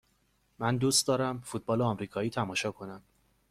من دوست دارم فوتبال آمریکایی تماشا کنم.